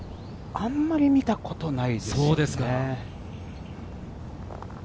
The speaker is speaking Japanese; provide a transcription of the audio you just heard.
あんまり見た事ないですよね。